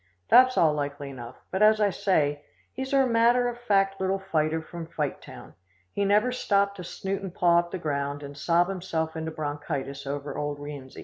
That's all likely enough, but, as I say, he's a matter of fact little fighter from Fighttown. He never stopped to snoot and paw up the ground and sob himself into bronchitis over old Rienzi.